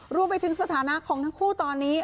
รวมไปถึงสถานะของทั้งคู่ตอนนี้